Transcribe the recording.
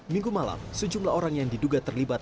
minggu malam sejumlah orang yang diduga terlibat